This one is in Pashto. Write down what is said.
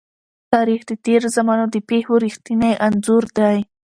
تاریخ د تېرو زمانو د پېښو رښتينی انځور دی.